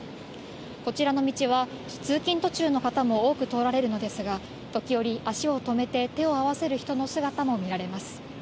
こちらの道は通勤途中の方も多く通られるのですが、時折、足をとめて手を合わせる人の姿も見られます。